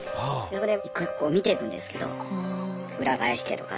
そこで一個一個見ていくんですけど裏返してとか。